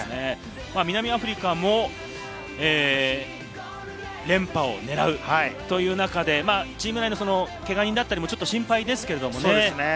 南アフリカも連覇を狙うという中で、チーム内にけが人だったり、心配ですけれどもね。